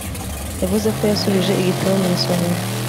Yavuze ko yasubije igitabo mu isomero